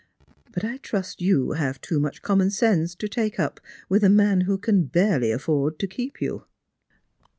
But I trust you have too much common sense to take up with a man who can barely afford to keejD you."